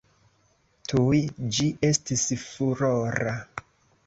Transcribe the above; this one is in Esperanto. Tuj ĝi estis furora.